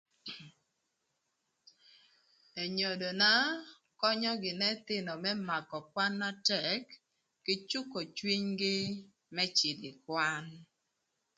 Enyodona könyö gïnï ëthïnö më makö kwan na tëk kï cükö cwinygï më cïdhö ï kwan